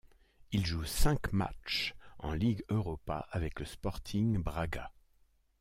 Il joue cinq matchs en Ligue Europa avec le Sporting Braga.